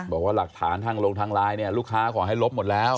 บอกว่าหลักฐานทั้งโรงทางลายลูกค้าขอให้รบหมดแล้ว